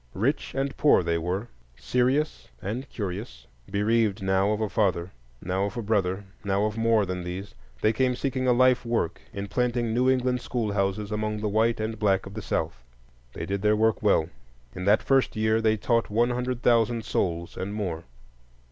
Rich and poor they were, serious and curious. Bereaved now of a father, now of a brother, now of more than these, they came seeking a life work in planting New England schoolhouses among the white and black of the South. They did their work well. In that first year they taught one hundred thousand souls, and more.